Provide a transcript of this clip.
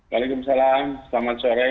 waalaikumsalam selamat sore